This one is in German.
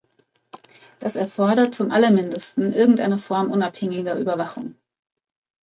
Das erfordert zum Allermindesten irgendeine Form unabhängiger Überwachung.